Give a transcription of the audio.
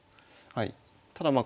ただまあ